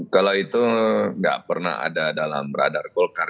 kalau itu nggak pernah ada dalam radar golkar